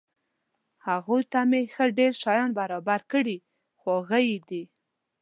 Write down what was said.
هغوی ته مې ښه ډېر شیان برابر کړي، خواږه یې دي.